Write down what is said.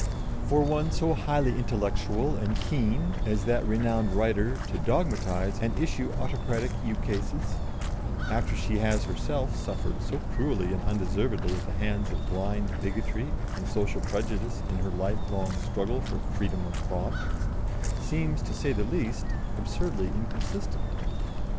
For one so highly intellectual and keen as that renowned writer to dogmatise and issue autocratic ukases, after she has herself suffered so cruelly and undeservedly at the hands of blind bigotry and social prejudice in her lifelong struggle for freedom of thought seems, to say the least, absurdly inconsistent."